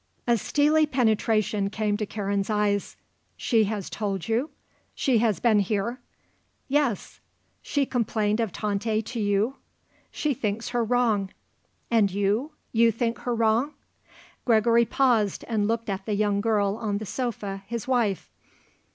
A steely penetration came to Karen's eyes. "She has told you? She has been here?" "Yes." "She complained of Tante to you?" "She thinks her wrong." "And you; you think her wrong?" Gregory paused and looked at the young girl on the sofa, his wife.